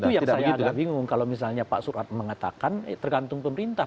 itu yang saya agak bingung kalau misalnya pak surat mengatakan tergantung pemerintah